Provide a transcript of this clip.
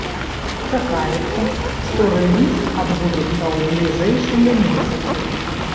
Чакаецца, што рэліз адбудзецца ў бліжэйшыя месяцы.